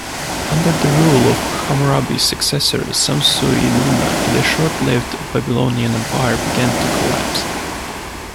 Under the rule of Hammurabi's successor Samsu-iluna, the short-lived Babylonian Empire began to collapse.